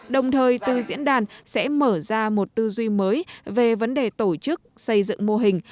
đồng thời từ diễn đàn sẽ mở ra một tư duy mới về vấn đề tổ chức xây dựng mô hình